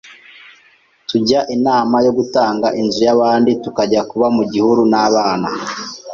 Tujya inama yo gutanga inzu y’abandi tukajya kuba mu gihuru n’abana,